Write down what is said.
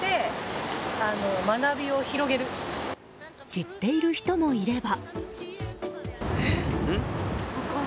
知っている人もいれば。